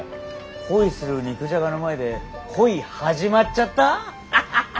「恋する肉じゃが」の前で恋始まっちゃった？ハハハ。